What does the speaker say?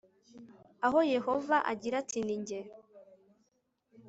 aho yehova agira ati ninjye